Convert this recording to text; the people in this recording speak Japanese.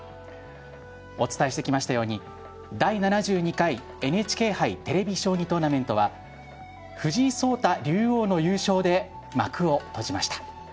お伝えしてきましたように第７２回ＮＨＫ杯テレビ将棋トーナメントは藤井聡太竜王の優勝で幕を閉じました。